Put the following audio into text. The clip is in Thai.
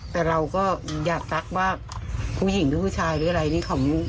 แต่เราก็อยากซักว่าผู้หญิงหรือผู้ชายหรืออะไรนี่ของ